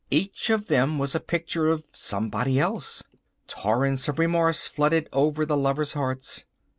Each of them was a picture of somebody else. Torrents of remorse flooded over the lovers' hearts.